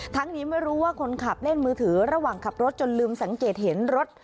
นี้ไม่รู้ว่าคนขับเล่นมือถือระหว่างขับรถจนลืมสังเกตเห็นรถ